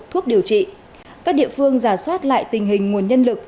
thuốc điều trị các địa phương giả soát lại tình hình nguồn nhân lực